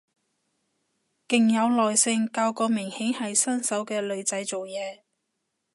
勁有耐性教個明顯係新手嘅女仔做嘢